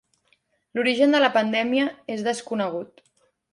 L'origen de la pandèmia és desconegut.